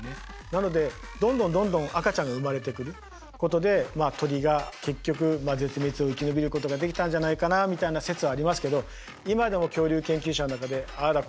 なのでどんどんどんどん赤ちゃんが生まれてくることで鳥が結局絶滅を生き延びることができたんじゃないかなみたいな説はありますけど今でも恐竜研究者の中でああだ